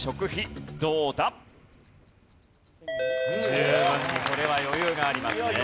十分にこれは余裕がありますね。